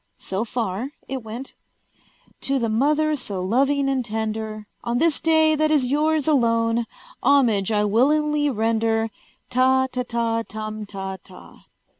So far it went: "To the Mother so loving and tender, On this day that is yours alone, Homage I willingly render, Ta ta ta tum ta ta."